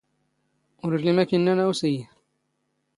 ⵓⵔ ⵉⵍⵍⵉ ⵎⴰⴷ ⴰⴽ ⵉⵏⵏⴰⵏ ⴰⵡⵙ ⵉⵢⵉ.